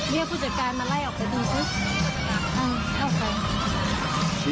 เธอเปิดคุณออกไป